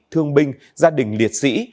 thương binh gia đình liệt sĩ